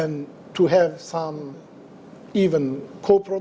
atau proyek proyek yang berbeda